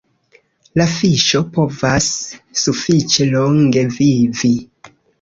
La fiŝo povas sufiĉe longe vivi.